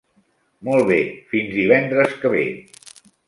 Molt bé; fins divendres que ve.